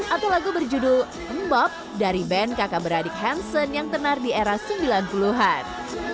atau lagu berjudul mbob dari band kakak beradik hansen yang tenar di era sembilan puluh an